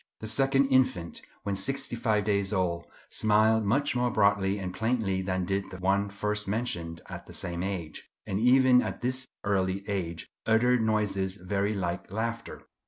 The second infant, when sixty five days old, smiled much more broadly and plainly than did the one first mentioned at the same age; and even at this early age uttered noises very like laughter.